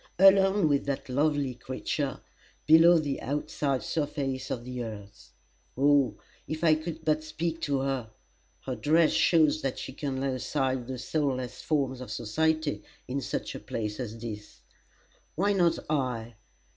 Alone with that lovely creature, below the outside surface of the earth! "Oh, if I could but speak to her! Her dress shows that she can lay aside the soulless forms of society in such a place as this: why not I?